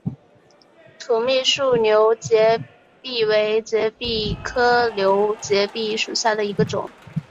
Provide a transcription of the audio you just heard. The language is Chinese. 土蜜树瘤节蜱为节蜱科瘤节蜱属下的一个种。